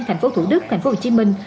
thành phố thủ đức thành phố hồ chí minh